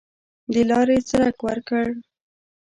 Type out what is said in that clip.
د لاري خرڅ ورکړ.